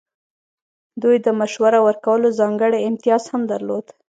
دوی د مشوره ورکولو ځانګړی امتیاز هم درلود.